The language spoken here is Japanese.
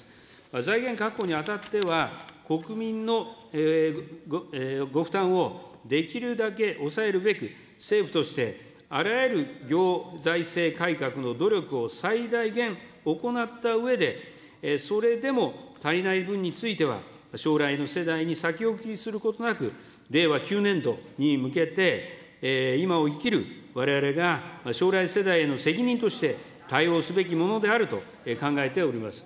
財源確保にあたっては、国民のご負担をできるだけ抑えるべく、政府としてあらゆる行財政改革の努力を最大限行ったうえで、それでも足りない分については、将来の世代に先送りすることなく、令和９年度に向けて、今を生きるわれわれが、将来世代への責任として対応すべきものであると考えております。